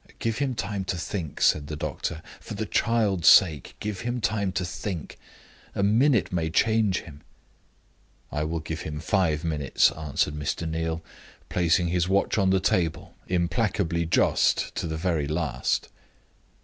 "Give him time to think," said the doctor. "For the child's sake, give him time to think! A minute may change him." "I will give him five minutes," answered Mr. Neal, placing his watch on the table, implacable just to the very last.